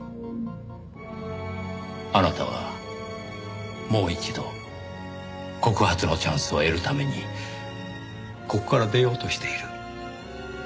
あなたはもう一度告発のチャンスを得るためにここから出ようとしている。